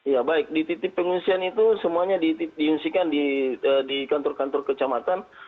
ya baik di titik pengungsian itu semuanya diungsikan di kantor kantor kecamatan